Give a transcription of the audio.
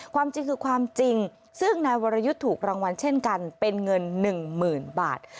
ความจริงคือความจริงซึ่งนายวรยุทธ์ถูกรางวัลเช่นกันเป็นเงิน๑๐๐๐บาท